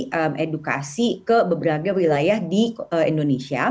dari edukasi ke berbagai wilayah di indonesia